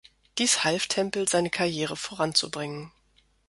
Dies half Temple seine Karriere voranzubringen.